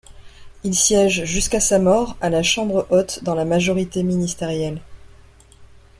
Il siége jusqu'à sa mort à la Chambre haute dans la majorité ministérielle.